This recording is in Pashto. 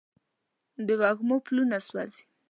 د وږمو پلونه سوزي